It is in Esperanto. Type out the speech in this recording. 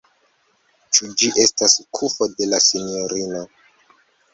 Ĉu ĝi estas kufo de la sinjorino.